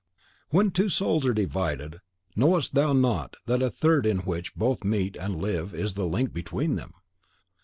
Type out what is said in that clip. "When two souls are divided, knowest thou not that a third in which both meet and live is the link between them!"